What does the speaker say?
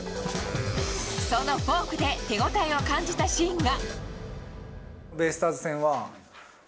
そのフォークで手応えを感じたシーンが。